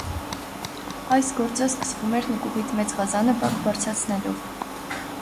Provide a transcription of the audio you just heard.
Այս գործը սկսվում էր նկուղից մեծ ղազանը բակ բարձրացնելով: